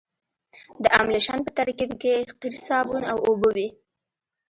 د املشن په ترکیب کې قیر صابون او اوبه وي